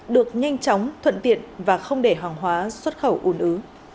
được nhanh chóng thuận tiện và không để hàng hóa xuất khẩu ủn ứ